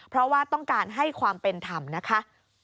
เพราะว่าต้องการให้ความเป็นธรรมนะคะ